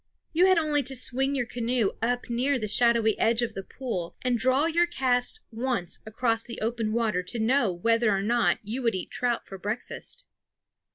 You had only to swing your canoe up near the shadowy edge of the pool and draw your cast once across the open water to know whether or not you would eat trout for breakfast.